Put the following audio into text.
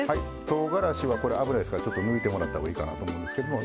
とうがらしは危ないですからちょっと抜いてもらったほうがいいかなと思うんですけども。